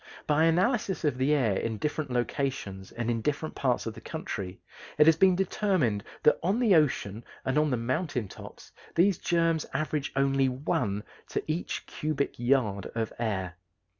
By analysis of the air in different locations and in different parts of the country it has been determined that on the ocean and on the mountain tops these germs average only one to each cubic yard of air.